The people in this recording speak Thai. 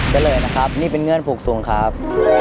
เฉลยนะครับนี่เป็นเงื่อนผูกสูงครับ